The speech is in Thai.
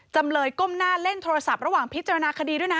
จำเลยก้มหน้าเล่นโทรศัพท์ระหว่างพิจารณาคดีด้วยนะ